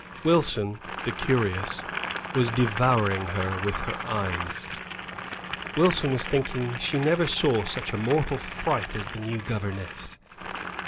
Wilson, the curious, was devouring her with her eyes. Wilson was thinking she never saw such a mortal fright as the new governess.